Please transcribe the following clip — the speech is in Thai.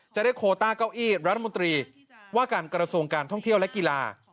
จะได้โคต้าเก้าอี้รัฐมนตรีว่าการกระทรวงการท่องเที่ยวและกีฬา